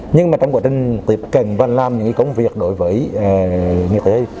nhưng mà trong quá trình tiếp cận và làm những công việc đối với người thầy